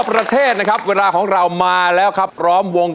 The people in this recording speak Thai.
ร้องได้ให้ล้าน